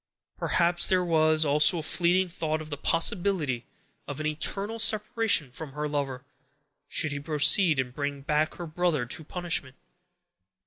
Perhaps there was also a fleeting thought of the possibility of an eternal separation from her lover, should he proceed and bring back her brother to punishment.